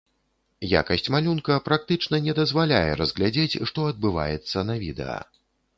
Якасць малюнка практычна не дазваляе разглядзець, што адбываецца на відэа.